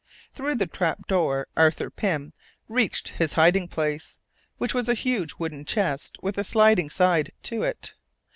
Through the trap door Arthur Pym reached his hiding place, which was a huge wooden chest with a sliding side to it.